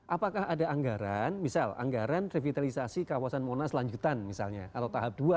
apakah ada anggaran misal anggaran revitalisasi kawasan monas lanjutan misalnya atau tahap dua